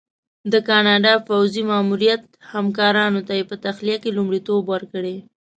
د کاناډا پوځي ماموریت همکارانو ته یې په تخلیه کې لومړیتوب ورکړی.